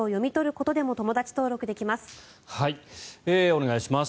お願いします。